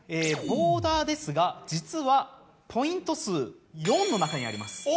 ボーダーですが実はポイント数４の中にあります。